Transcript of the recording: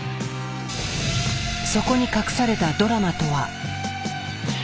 そこに隠されたドラマとは。